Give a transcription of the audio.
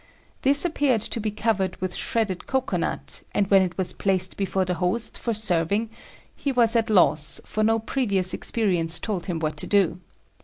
This appeared to be covered with shredded cocoanut, and when it was placed before the host for serving he was at loss, for no previous experience told him what to do.